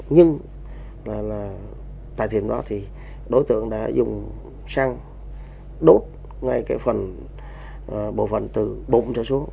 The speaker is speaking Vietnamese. nhưng là tại thiểm đó thì đối tượng đã dùng xăng đốt ngay cái phần bộ phận từ bụng cho xuống